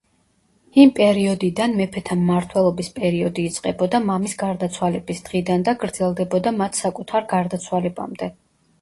იმ პერიოდიდან მეფეთა მმართველობის პერიოდი იწყებოდა მამის გარდაცვალების დღიდან და გრძელდებოდა მათ საკუთარ გარდაცვალებამდე.